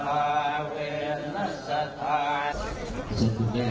นักโมทรัพย์ภักวะโตอาระโตสัมมาสัมพุทธศาสตร์